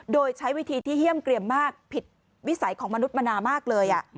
โดยใช้วิธีที่เยี่ยมเกลี่ยมมากผิดวิสัยของมนุษย์มานามากเลย